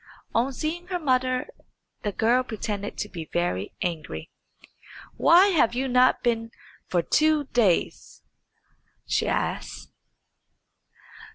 On seeing her mother the girl pretended to be very angry. "Why have you not been for two days?" she asked.